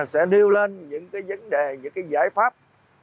sẽ nêu lên những cái vấn đề những cái giải pháp